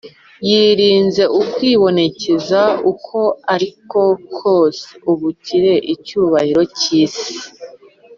Yirinze ukwibonekeza uko ariko kose. Ubukire, icyubahiro cy’isi